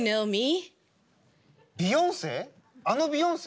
あのビヨンセ？